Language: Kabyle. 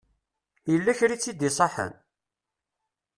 Yella kra i tt-id-iṣaḥen?